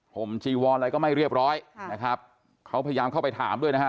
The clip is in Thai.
ผมจีวอนอะไรก็ไม่เรียบร้อยนะครับเขาพยายามเข้าไปถามด้วยนะฮะ